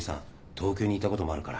東京にいたこともあるから。